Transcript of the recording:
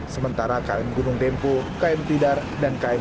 sementara km gunung tempo km tidar dan km